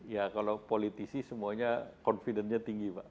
ya kalau politisi semuanya confidence nya tinggi pak